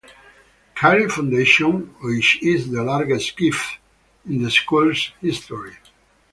Carey Foundation, which is the largest gift in the school's history.